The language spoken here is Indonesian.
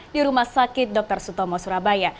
di rumah sakit dr sutomo surabaya